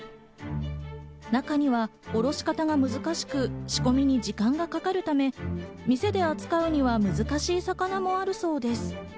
中には、おろし方が難しく、仕込みに時間がかかるため、店で扱うには難しい魚もあるそうです。